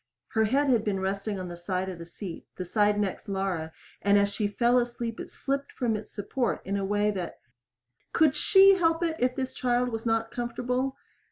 Her head had been resting on the side of the seat the side next Laura and as she fell asleep it slipped from its support in a way that Could she help it if this child was not comfortable?